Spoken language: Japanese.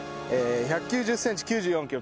１９０センチ９４キロ